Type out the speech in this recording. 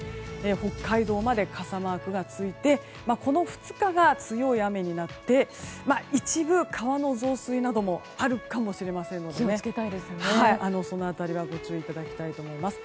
北海道まで傘マークが続いてこの２日が強い雨になって一部、川の増水などもあるかもしれませんのでその辺りはご注意いただきたいと思います。